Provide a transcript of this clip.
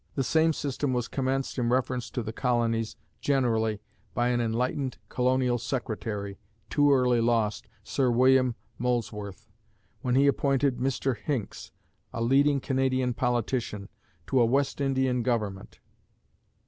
The same system was commenced in reference to the colonies generally by an enlightened colonial secretary, too early lost, Sir William Molesworth, when he appointed Mr. Hinckes, a leading Canadian politician, to a West Indian government.